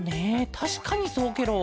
たしかにそうケロ。